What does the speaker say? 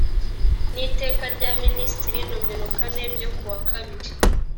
n iteka rya minisitiri nomero kane ryo kuwa kabiri